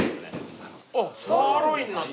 サーロインなんだ。